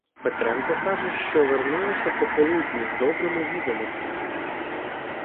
Петренко каже, що вернулася пополудні з добрими відомостями.